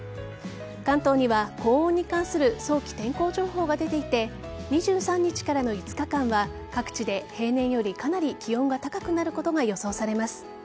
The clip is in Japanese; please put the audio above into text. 関東には高温に関する早期天候情報が出ていて２３日からの５日間は各地で平年よりかなり気温が高くなることが予想されます。